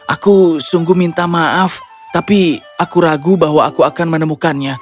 aku sungguh minta maaf tapi aku ragu bahwa aku akan menemukannya